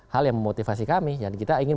hal yang memotivasi kami dan kita ingin